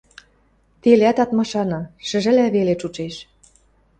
телӓт ат машаны, шӹжӹлӓ веле чучеш.